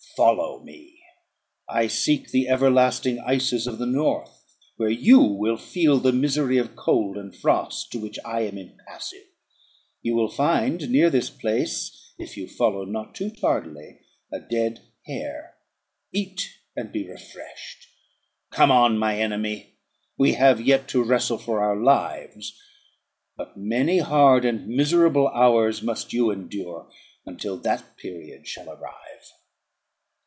Follow me; I seek the everlasting ices of the north, where you will feel the misery of cold and frost, to which I am impassive. You will find near this place, if you follow not too tardily, a dead hare; eat, and be refreshed. Come on, my enemy; we have yet to wrestle for our lives; but many hard and miserable hours must you endure until that period shall arrive."